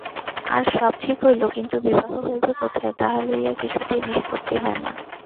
আর সব ঠিক হইল কিন্তু বিবাহ হইবে কোথায় তাহা লইয়া কিছুতেই নিষ্পত্তি হয় না।